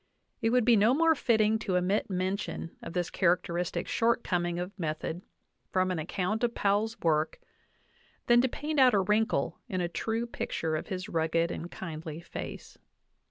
It would be no more fitting to omit men tion of this characteristic shortcoming of method from an ac count of Powell's work than to paint out a wrinkle in a true picture of his rugged and kindly face.